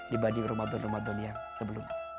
dibanding ramadan ramadan yang sebelumnya